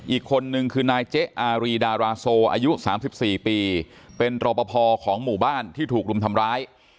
อีกคนนึงคือนายเจ๊อารีดาราโซอายุ๓๔ปีเป็นรอปภของหมู่บ้านที่ถูกรุมทำร้าย